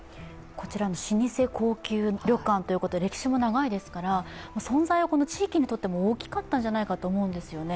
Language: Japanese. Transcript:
老舗高級旅館ということで歴史も長いですから存在は地域にとっても大きかったんじゃないかと思うんですよね。